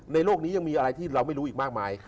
โลกนี้ยังมีอะไรที่เราไม่รู้อีกมากมาย